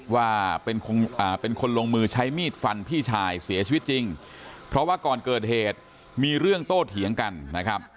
ว่าเป็นคนลงมือใช้มีดฟันพี่ชายเสียชีวิตจริงเพราะว่าก่อนเกิดเหตุมีเรื่องโตเถียงกันนะครับ